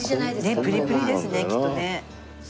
ねえプリプリですねきっとね。